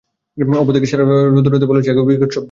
অপর দিকে সূরা হূদে বলা হয়েছে এক বিকট শব্দ তাদেরকে আঘাত করে।